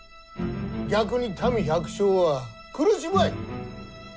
逆に民、百姓は苦しむわい。